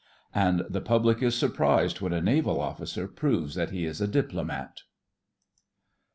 And the public is surprised when a naval officer proves that he is a diplomat!